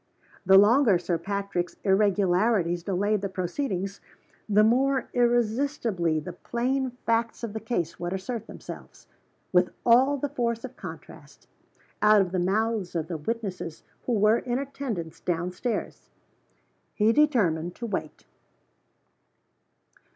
The longer Sir Patrick's irregularities delayed the proceedings, the more irresistibly the plain facts of the case would assert themselves with all the force of contrast out of the mouths of the witnesses who were in attendance down stairs. He determined to wait.